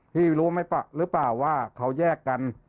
รู้ไหมหรือเปล่าว่าเขาแยกกัน